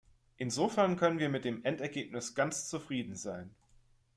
Insofern können wir mit dem Endergebnis ganz zufrieden sein.